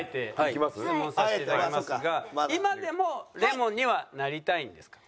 今でもレモンにはなりたいんですか？